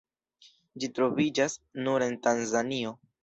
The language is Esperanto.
Ĝi troviĝas nur en Tanzanio.